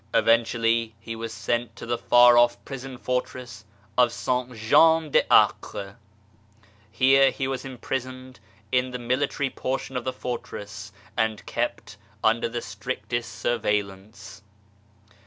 Eventually, he was sent to the far off prison fortress of St. Jean d'Acre. Here he was imprisoned in the military portion of the fortress and kept under the strictest surveillance.